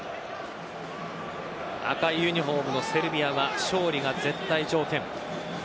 赤いユニホームのセルビアは勝利が絶対条件。